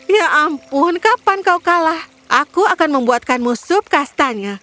ya ampun kapan kau kalah aku akan membuatkanmu sup kastanya